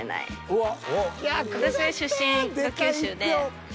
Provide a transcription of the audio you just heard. うわっ。